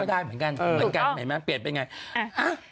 ก็ได้เหมือนกันเหมือนกันเหมือนกันเปลี่ยนเป็นยังไง